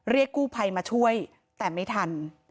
เรียกกู้ภัยมาช่วยแต่ไม่ทัน